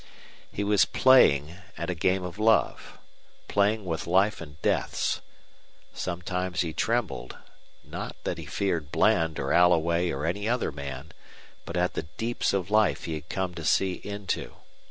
He was playing at a game of love playing with life and deaths Sometimes he trembled, not that he feared Bland or Alloway or any other man, but at the deeps of life he had come to see into.